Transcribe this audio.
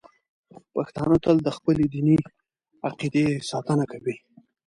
پښتانه تل د خپلې دیني عقیدې ساتنه کوي.